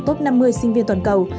top năm mươi sinh viên toàn cầu